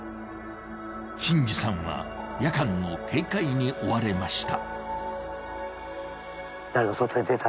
進士さんは夜間の警戒に追われました。